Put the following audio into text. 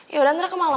yaudah nanti kemalem